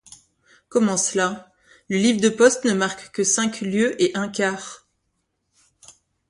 Comment cela ? le livre de poste ne marque que cinq lieues et un quart.